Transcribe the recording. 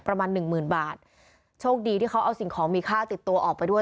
ประมาณหนึ่งหมื่นบาทโชคดีที่เขาเอาสิ่งของมีค่าติดตัวออกไปด้วย